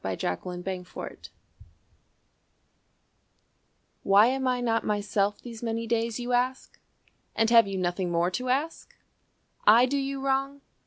An Evangelist's Wife "Why am I not myself these many days, You ask? And have you nothing more to ask? I do you wrong?